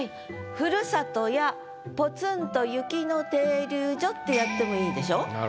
「ふるさとやぽつんと雪の停留所」ってやってもいいでしょ？